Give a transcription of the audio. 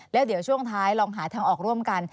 แล้วเดี๋ยวช่วงท้ายลองหาทางออกร่วมกัน